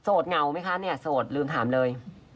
เหงาไหมคะเนี่ยโสดลืมถามเลย